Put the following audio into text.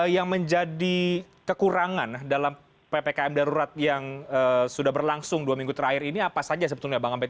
yang menjadi kekurangan dalam ppkm darurat yang sudah berlangsung dua minggu terakhir ini apa saja sebetulnya bang abed